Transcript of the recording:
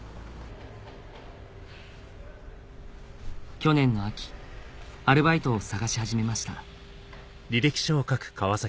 去年の秋アルバイトを探し始めました